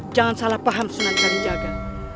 jangan salah paham sunan kalijaga